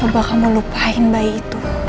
coba kamu lupain bayi itu